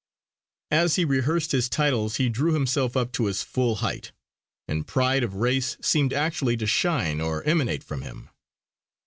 As he rehearsed his titles he drew himself up to his full height; and pride of race seemed actually to shine or emanate from him.